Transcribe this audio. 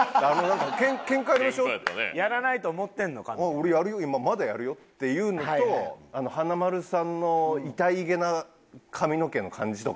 俺やるよまだやるよっていうのと華丸さんのいたいけな髪の毛の感じとか。